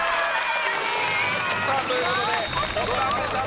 さぁということで堀田茜さん